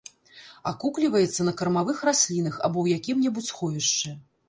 Акукліваецца на кармавых раслінах або ў якім-небудзь сховішчы.